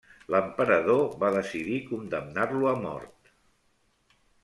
L'emperador va decidir condemnar-lo a mort.